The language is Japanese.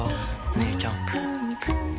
お姉ちゃん。